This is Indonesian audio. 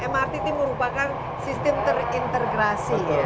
mrt merupakan sistem terintegrasi